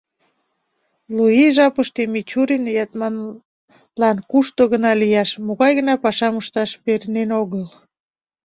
Лу ий жапыште Мичурин-Ятманлан кушто гына лияш, могай гына пашам ышташ пернен огыл.